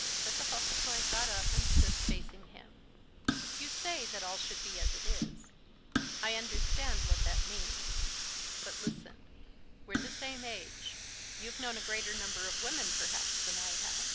Serpuhovskoy got up and stood facing him. "You say that all should be as it is. I understand what that means. But listen: we're the same age, you've known a greater number of women perhaps than I have."